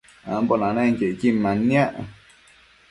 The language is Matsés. ambo nanenquio icquin manniac